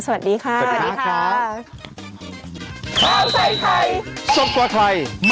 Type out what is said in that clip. สวัสดีค่ะ